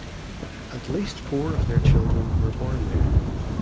At least four of their children were born there.